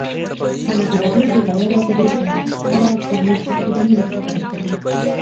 ازادي راډیو د د بیان آزادي په اړه ښوونیز پروګرامونه خپاره کړي.